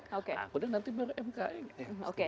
nah udah nanti baru mk